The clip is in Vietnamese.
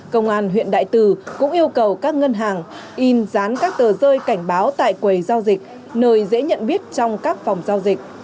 công an huyện đại từ cũng yêu cầu các ngân hàng in dán các tờ rơi cảnh báo tại quầy giao dịch nơi dễ nhận biết trong các phòng giao dịch